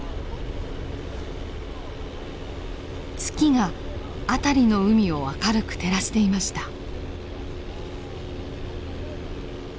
月が辺りの海を明るく照らしていました。